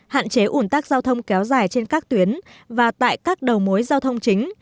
hạn chế ủn tắc giao thông kéo dài trên các tuyến và tại các đầu mối giao thông chính